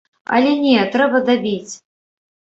Але не, трэба дабіць!